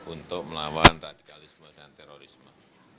untuk melawan radikalisme dan terorisme